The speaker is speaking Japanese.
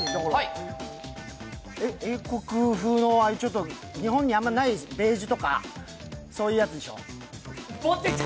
英国風の、日本にあまりないベージュとか、そういうやつでしょ